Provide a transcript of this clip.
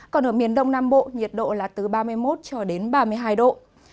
còn ở miền đông nam bộ nhiệt độ là từ ba mươi một cho đến ba mươi hai độ